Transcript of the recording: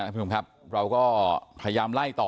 พี่พรุ่งครับเราก็พยายามไล่ต่อ